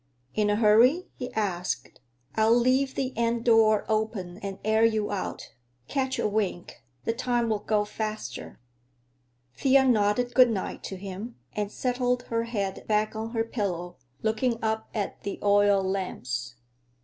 "In a hurry?" he asked. "I'll leave the end door open and air you out. Catch a wink; the time'll go faster." Thea nodded good night to him and settled her head back on her pillow, looking up at the oil lamps.